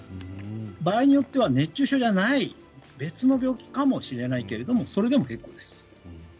場合によっては熱中症じゃない別の病気かもしれないけれどもそれでもＯＫです。